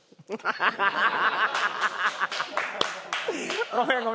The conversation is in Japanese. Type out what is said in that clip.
ハハハハ！